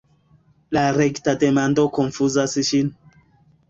La rekta demando konfuzas ŝin.